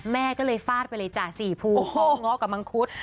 แม่ก็เลยฟาดไปเลยจ้ะสี่ภูเขาเงาะกับมังคุด